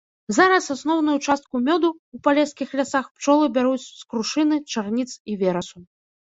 Зараз асноўную частку мёду ў палескіх лясах пчолы бяруць з крушыны, чарніц і верасу.